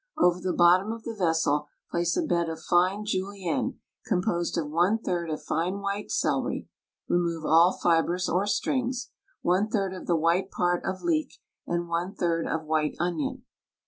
Over the bottom of the vessel place a bed of fine julienne composed of one third of fine white celery (re move all fibers or "strings") one third of the white part of leek and one third of white onion.